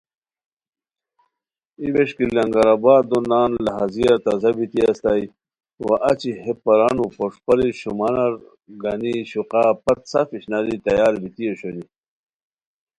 ای ووݰکی لنگر آبادو نان لہازیار تازہ بیتی استائے وا ا چی ہے برانو پوݰپاری شیمانار گانی شوقا پت سف اشناری تیار بیتی اوشونی